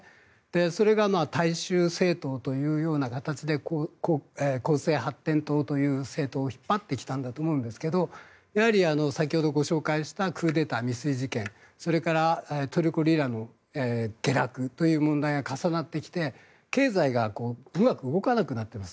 それが大衆政党という形で公正発展党という政党を引っ張ってきたと思うんですけど先ほど、ご紹介したクーデター未遂事件トルコリラの下落という問題が重なってきて経済がうまく動かなくなっています。